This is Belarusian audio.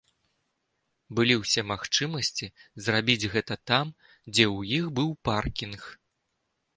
Былі ўсе магчымасці зрабіць гэта там, дзе ў іх быў паркінг.